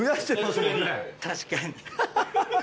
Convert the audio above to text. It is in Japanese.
確かに。